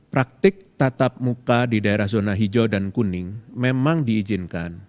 praktik tatap muka di daerah zona hijau dan kuning memang diizinkan